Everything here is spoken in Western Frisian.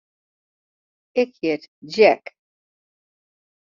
Ik hjit Jack.